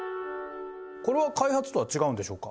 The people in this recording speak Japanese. これは開発とは違うんでしょうか？